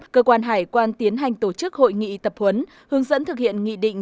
cơ quan hải quan tiến hành tổ chức hội nghị tập huấn hướng dẫn thực hiện nghị định